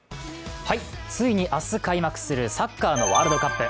ついに明日開幕するサッカーのワールドカップ。